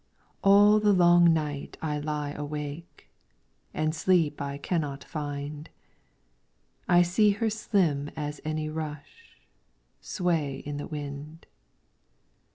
All the long night I lie awake, And sleep I cannot find. I see her slim as any rush Sway in the wind.